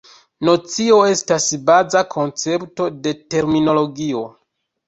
Nocio estas baza koncepto de terminologio.